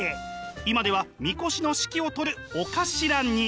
今ではみこしの指揮を執るお頭に。